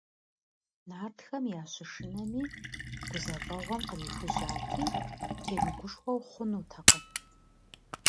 Нартхэм ящышынэми, гузэвэгъуэм кърихужьати, темыгушхуэу хъунутэкъым.